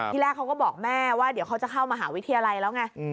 แรกเขาก็บอกแม่ว่าเดี๋ยวเขาจะเข้ามหาวิทยาลัยแล้วไง